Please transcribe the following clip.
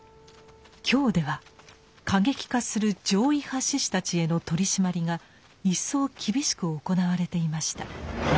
京では過激化する攘夷派志士たちへの取締りが一層厳しく行われていました。